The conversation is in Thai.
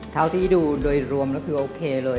เท่าที่ดูโดยรวมแล้วคือโอเคเลย